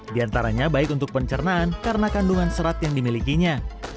di antaranya baik untuk pencernaan karena kandungan serat yang dimilikinya